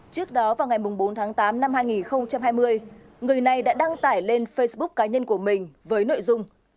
trước đó vào ngày bốn tháng tám năm hai nghìn hai mươi người này đã đăng tải lên facebook cá nhân của mình với nội dung